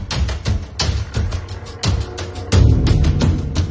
แล้วก็พอเล่ากับเขาก็คอยจับอย่างนี้ครับ